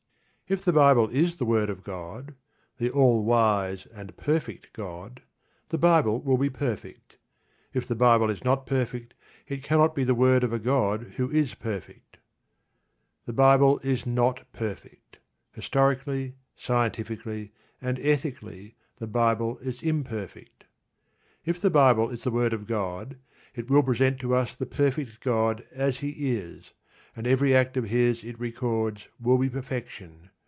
If the Bible is the word of God the all wise and perfect God the Bible will be perfect. If the Bible is not perfect it cannot be the word of a God who is perfect. The Bible is not perfect. Historically, scientifically, and ethically the Bible is imperfect. If the Bible is the word of God it will present to us the perfect God as He is, and every act of His it records will be perfection.